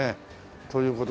という事でね